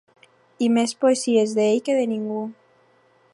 I més poesies d'ell que de ningú.